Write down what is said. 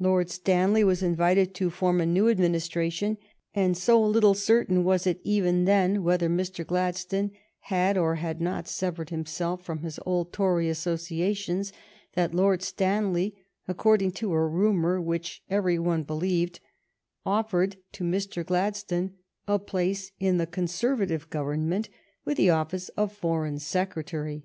Lord Stanley was invited to form a THE ECCLESIASTICAL TITLES BILL 153 new administration, and so little certain was it even then whether Mr. Gladstone had or had not severed himself from his old Tory associations that Lord Stanley, according to a rumor which every one be lieved, offered to Mr. Gladstone a place in the Con servative Government with the office of Foreign Secretary.